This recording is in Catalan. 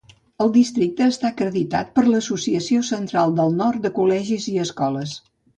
El districte està acreditat per l'Associació Central del Nord de Col·legis i Escoles.